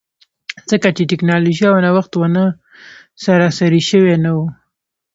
ځکه چې ټکنالوژي او نوښت ونه سراسري شوي نه وو.